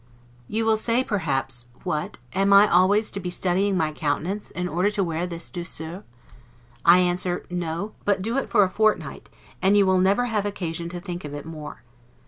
You will say, perhaps, What, am I always to be studying my countenance, in order to wear this 'douceur'? I answer, No; do it but for a fortnight, and you never will have occasion to think of it more.